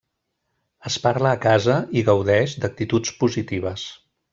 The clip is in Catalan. Es parla a casa i gaudeix d'actituds positives.